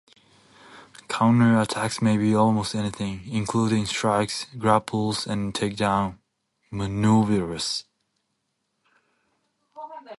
Counter-attacks may be almost anything, including strikes, grapples, and take-down manoeuvres.